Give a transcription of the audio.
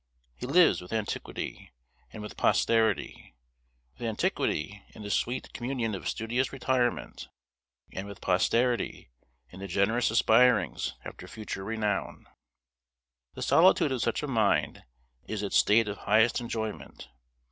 He lives with antiquity, and with posterity: with antiquity, in the sweet communion of studious retirement; and with posterity, in the generous aspirings after future renown. The solitude of such a mind is its state of highest enjoyment.